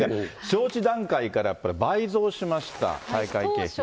招致段階からやっぱり倍増しました、大会経費。